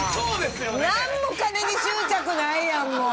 何も金に執着ないやんもう。